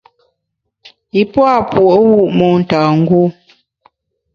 Yi pua’ puo’wu’ motângû.